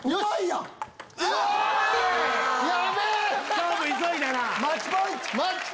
勝負急いだな。